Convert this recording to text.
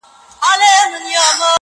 دا ناځوانه نور له كاره دى لوېــدلى.